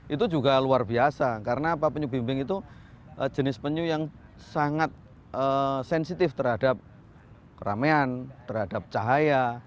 itu juga luar biasa karena apa penyu bimbing itu jenis penyu yang sangat sensitif terhadap keramaian terhadap cahaya